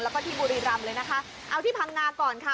แล้วก็ที่บุรีรำเลยนะคะเอาที่พังงาก่อนค่ะ